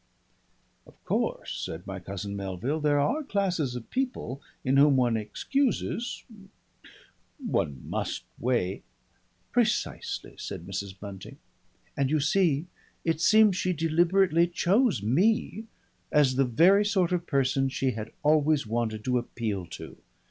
"Of course," said my cousin Melville, "there are classes of people in whom one excuses One must weigh " "Precisely," said Mrs. Bunting. "And you see it seems she deliberately chose me as the very sort of person she had always wanted to appeal to.